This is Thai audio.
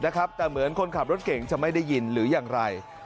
แต่เหมือนคนขับรถเก่งจะไม่ได้ยินหรืออย่างไร